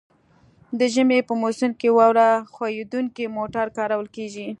د ژمي په موسم کې واوره ښوییدونکي موټر کارول کیږي